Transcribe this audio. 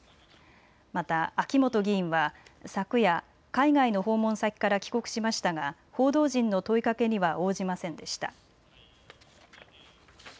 また秋本議員は昨夜海外の訪問先から帰国しましたが報道陣の問いかけには応じませんでした。